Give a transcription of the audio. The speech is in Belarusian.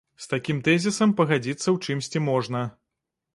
З такім тэзісам пагадзіцца ў чымсьці можна.